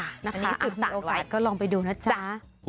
อ่ะมีโอกาสก็ลองไปดูนะจ๊ะ